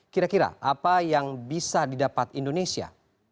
kira kira apa yang bisa didapat indonesia